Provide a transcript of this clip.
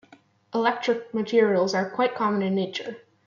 Electret materials are quite common in nature.